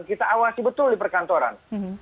kita awasi betul di perkantoran